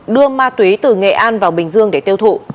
đưa ma túy từ nghệ an vào bình dương để tiêu thụ